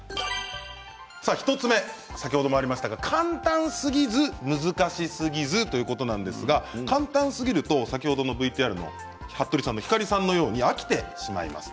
１つ目、先ほどもありましたが簡単すぎず難しすぎずということなんですが簡単すぎると先ほどのＶＴＲのひかりさんのように飽きてしまいます。